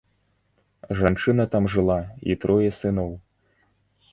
Жанчына там жыла і трое сыноў.